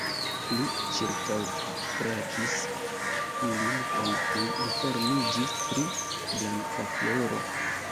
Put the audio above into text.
Li ĉirkaŭbrakis ilin kaj tuj informiĝis pri Blankafloro.